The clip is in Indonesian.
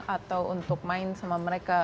atau untuk main sama mereka